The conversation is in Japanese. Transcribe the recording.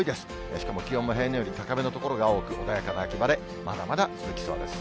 しかも気温も平年より高めの所が多く、穏やかな秋晴れ、まだまだ続きそうです。